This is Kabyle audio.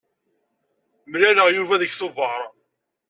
Mlaleɣ Yuba deg tubeṛ.